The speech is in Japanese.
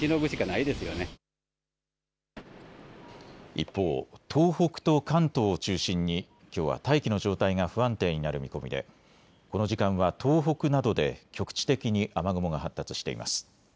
一方、東北と関東を中心にきょうは大気の状態が不安定になる見込みでこの時間は東北などで局地的に雨雲が発達しています。